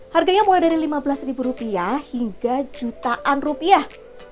harganya mulai dari lima belas ribu rupiah hingga jutaan rupiah